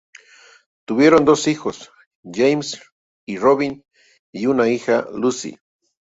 Tuvieron dos hijos, James y Robin, y una hija, Lucy.